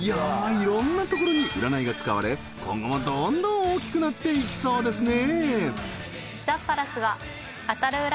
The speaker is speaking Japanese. いろんなところに占いが使われ今後もどんどん大きくなっていきそうですね